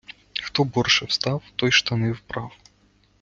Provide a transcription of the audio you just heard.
хто борше встав, той штани вбрав